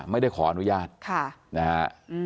ไม่ได้ขออนุญาตนะฮะ